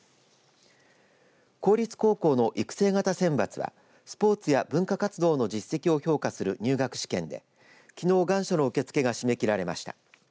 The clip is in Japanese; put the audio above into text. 公立高校の育成型選抜はスポーツや文化活動の実績を評価する入学試験で、きのう願書の受け付けが締め切られました。